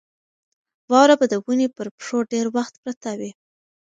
واوره به د ونې پر پښو ډېر وخت پرته وي.